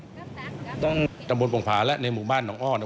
จังบุญปวงภาและในหมู่บ้านหนังอ้อ